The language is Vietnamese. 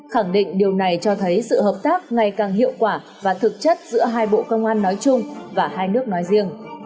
khẳng định điều này cho thấy sự hợp tác ngày càng hiệu quả và thực chất giữa hai bộ công an nói chung và hai nước nói riêng